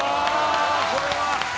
これは。